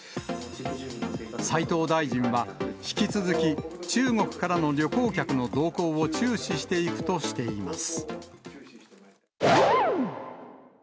斉藤大臣は、引き続き中国からの旅行客の動向を注視していくとしています。